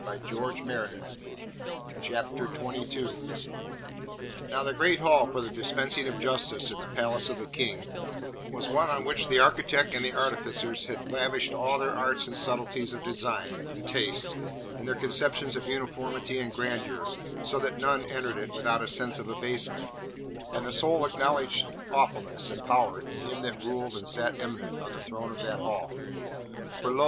THE BURNING OF THE IDENTICAL Now, the Great Hall for the dispensing of justice in the palace of the King was one on which the architect and the artificers had lavished all their arts and subtleties of design and taste and their conceptions of uniformity and grandeur, so that none entered it without a sense of abasement, and the soul acknowledged awfulness and power in him that ruled and sat eminent on the throne of that Hall. For, lo!